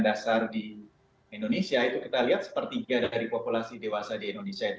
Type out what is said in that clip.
dan hasil kesehatan dasar di indonesia itu kita lihat sepertiga dari populasi dewasa di indonesia itu